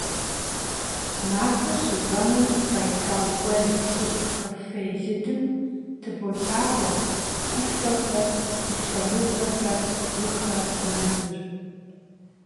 Maxuer şıuemım Baykal guel şıgu cafe lıdım tıbolhağue 'Ufexer, 'Ufe mıvexer, bgıxer, mezır.